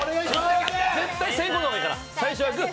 絶対先行の方がいいから。